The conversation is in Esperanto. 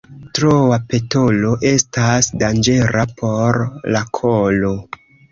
Troa petolo estas danĝera por la kolo.